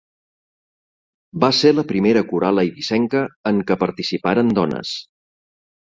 Va ser la primera coral eivissenca en què participaren dones.